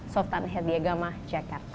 soltan herdiagama jakarta